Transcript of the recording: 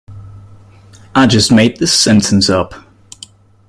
I just made this sentence up.